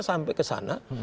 sampai ke sana